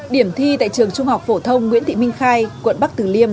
điểm thi tại trường trung học phổ thông nguyễn thị minh khai quận bắc tử liêm